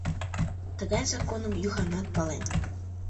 Тыгай законым Юханат пален.